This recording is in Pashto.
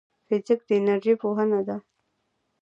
فزیک د انرژۍ پوهنه ده